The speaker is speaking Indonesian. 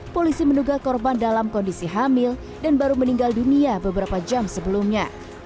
polisi menduga korban dalam kondisi hamil dan baru meninggal dunia beberapa jam sebelumnya